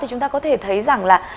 chúng ta có thể thấy rằng